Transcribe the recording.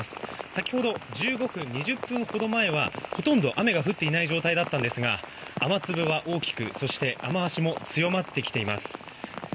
先ほど、１５分、２０分ほど前はほとんど雨が降っていない状態だったんですが雨粒は大きく雨脚も強まってきています。